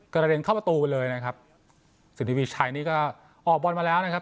กระเด็นเข้าประตูไปเลยนะครับสิทธิวีชัยนี่ก็ออกบอลมาแล้วนะครับ